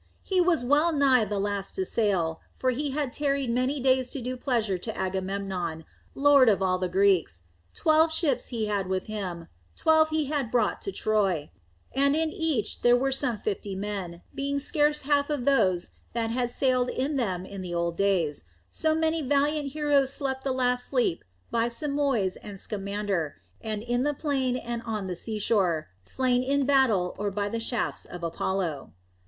He was well nigh the last to sail, for he had tarried many days to do pleasure to Agamemnon, lord of all the Greeks. Twelve ships he had with him twelve he had brought to Troy and in each there were some fifty men, being scarce half of those that had sailed in them in the old days, so many valiant heroes slept the last sleep by Simoïs and Scamander, and in the plain and on the seashore, slain in battle or by the shafts of Apollo.